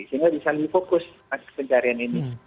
sehingga bisa lebih fokus pencarian ini